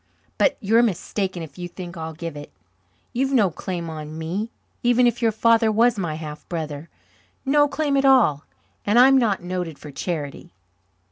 "But you're mistaken if you think I'll give it. You've no claim on me, even if your father was my half brother no claim at all. And I'm not noted for charity."